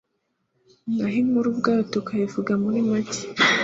naho inkuru ubwayo tukayivuga muri make